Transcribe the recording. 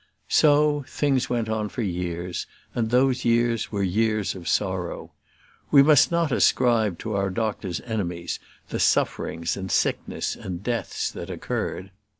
So things went on for years, and those years were years of sorrow. We must not ascribe to our doctor's enemies the sufferings, and sickness, and deaths that occurred.